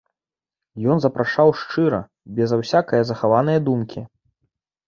Ён запрашаў шчыра, без усякае захаванае думкі.